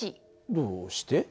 どうして？